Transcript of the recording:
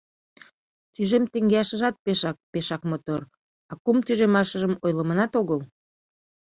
Тӱжем теҥгеашыжат пешак-пешак мотор, а кум тӱжемашыжым ойлыманат огыл!